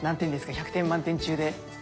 １００点満点中で。